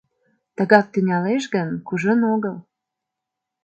Тыгак тӱҥалеш гын, кужун огыл...